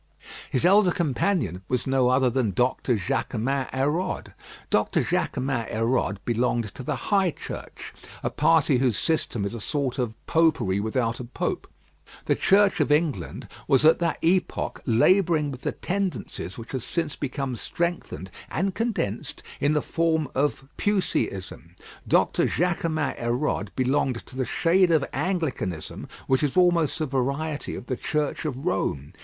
His older companion was no other than Doctor Jaquemin Hérode. Doctor Jaquemin Hérode belonged to the High Church; a party whose system is a sort of popery without a pope. The Church of England was at that epoch labouring with the tendencies which have since become strengthened and condensed in the form of Puseyism. Doctor Jaquemin Hérode belonged to that shade of Anglicanism which is almost a variety of the Church of Rome.